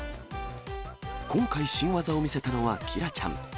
今回、新技を見せたのは、キラちゃん。